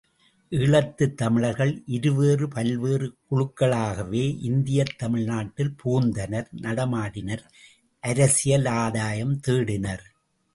ஈழத்துத் தமிழர்கள் இருவேறு பல்வேறு குழுக்களாகவே இந்தியத் தமிழ்நாட்டில் புகுந்தனர் நடமாடினர் அரசியல் ஆதாயம் தேடினர்.